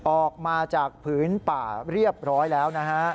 ออกมาจากผืนป่าเรียบร้อยแล้วนะฮะ